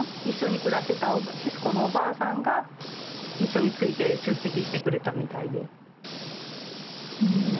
一緒に暮らしてたシスコのおばあさんが一緒について出席してくれたみたいで。